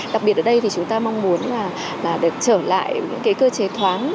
đặc biệt ở đây thì chúng ta mong muốn là được trở lại những cái cơ chế thoáng